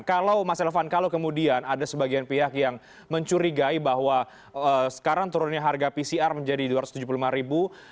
kalau mas elvan kalau kemudian ada sebagian pihak yang mencurigai bahwa sekarang turunnya harga pcr menjadi rp dua ratus tujuh puluh lima ribu